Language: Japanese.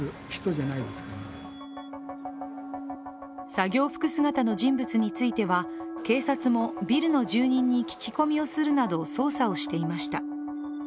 作業服姿の人物については、警察もビルの住人に聞き込みをするなど捜査をしていました。